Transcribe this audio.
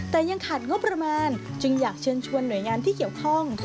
แต่ยังขาดงบประมาณจึงอยากเชิญชวนหน่วยงานที่เกี่ยวข้อง